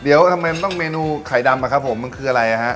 เดี๋ยวทำไมต้องเมนูไข่ดำอะครับผมมันคืออะไรฮะ